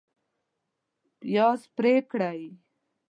پیاز پرې کړئ